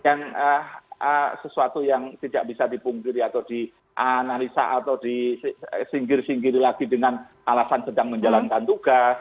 yang sesuatu yang tidak bisa dipungkiri atau dianalisa atau disinggir singgiri lagi dengan alasan sedang menjalankan tugas